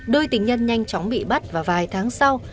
đôi tình nhân nhanh chóng bị bắt vào vài tháng sau